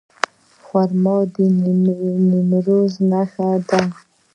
خرما د نیمروز نښه ده.